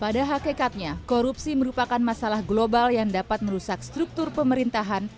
pada hakikatnya korupsi merupakan masalah global yang dapat merusak struktur pemerintahan